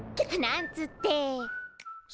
なんつって。